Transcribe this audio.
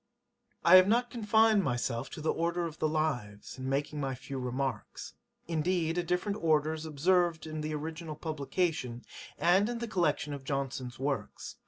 I have not confined myself to the order of the Lives, in making my few remarks. Indeed a different order is observed in the original publication, and in the collection of Johnson's Works.